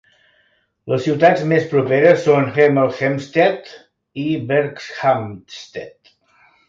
Les ciutats més properes són Hemel Hempstead i Berkhamsted.